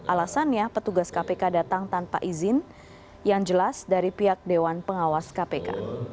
alasannya petugas kpk datang tanpa izin yang jelas dari pihak dewan pengawas kpk